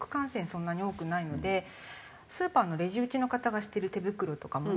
そんなに多くないのでスーパーのレジ打ちの方がしてる手袋とかもね